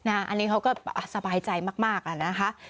อันนี้เขาก็สบายใจมากนะคะ